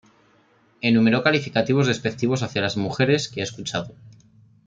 Enumeró calificativos despectivos hacia las mujeres que ha escuchado.